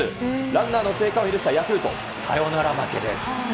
ランナーの生還を許したヤクルト、サヨナラ負けです。